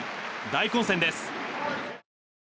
大混戦です。